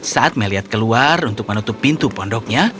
saat meliad keluar untuk menutup pintu pondoknya